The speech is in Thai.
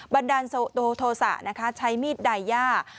บันดาลโทษะนะคะใช้มีดไดย่า